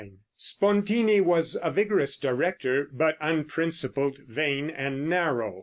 Spontini was a vigorous director, but unprincipled, vain and narrow.